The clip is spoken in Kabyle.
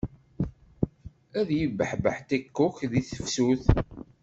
Ad ibbeḥbeḥ ṭikkuk di tefsut.